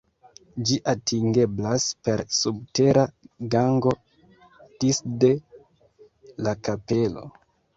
Ĝi atingeblas per subtera gango disde la kapelo.